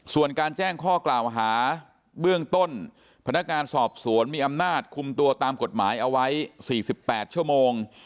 ส่วนการแจ้งข้อกล่าวหาเบื้องต้นพนักงานสอบสวนมีอำนาจคุมตัวตามกฎหมายเอาไว้๔๘ชั่วโมง